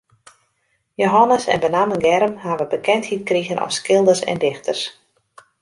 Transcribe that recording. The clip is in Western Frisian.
Jehannes en benammen Germ hawwe bekendheid krigen as skilders en dichters.